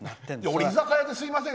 俺、居酒屋ですみません！